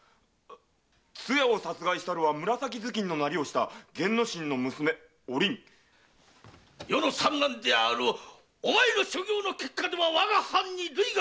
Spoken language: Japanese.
つやを殺害したるは紫頭巾のなりをした源之進の娘“おりん”余の三男であるお前の所業の結果では我が藩に累が及ぶ！